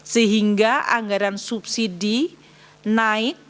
sehingga anggaran subsidi naik